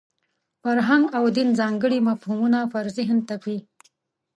فرهنګ او دین ځانګړي مفهومونه پر ذهن تپي.